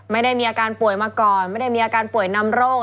ไม่ได้มีอาการป่วยมาก่อนไม่ได้มีอาการป่วยนำโรค